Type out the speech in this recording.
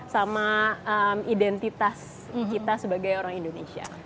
sama identitas kita sebagai orang indonesia